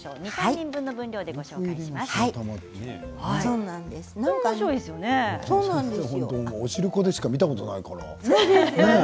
白玉はお汁粉でしか見たことがないから。